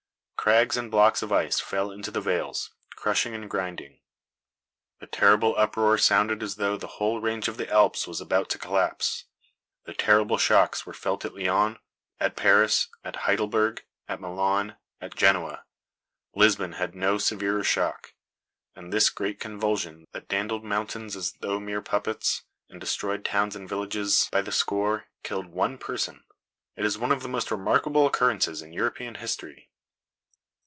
Crags and blocks of ice fell into the vales, crushing and grinding. The terrible uproar sounded as though the whole range of the Alps was about to collapse. The terrible shocks were felt at Lyons, at Paris, at Heidelberg, at Milan, at Genoa. Lisbon had no severer shock. And this great convulsion, that dandled mountains as though mere puppets, and destroyed towns and villages by the score killed one person. It is one of the most remarkable occurrences in European history.